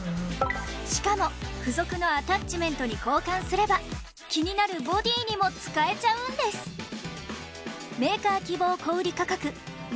しかも付属のアタッチメントに交換すれば気になるボディにも使えちゃうんです期間